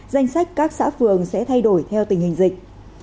danh sách các xã phường sẽ thay đổi theo tình hình dịch